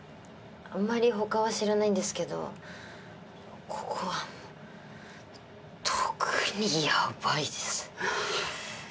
あんまり他は知らないんですけどここはもう特にヤバいです。